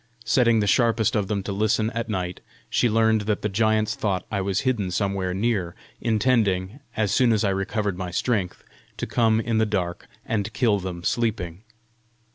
Setting the sharpest of them to listen at night, she learned that the giants thought I was hidden somewhere near, intending, as soon as I recovered my strength, to come in the dark and kill them sleeping.